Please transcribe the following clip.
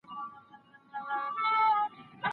کېدای سي کتابتون بند وي.